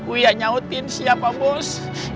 uya nyautin siap pak bos